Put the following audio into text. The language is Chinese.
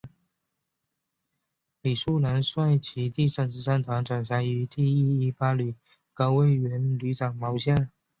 李树兰率其第三十三团转辖于第一一八旅高魁元旅长麾下。